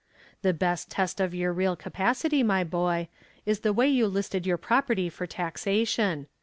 The best test of your real capacity, my boy, is the way you listed your property for taxation.